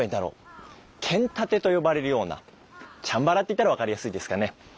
剣殺陣と呼ばれるようなチャンバラって言ったら分かりやすいですかね。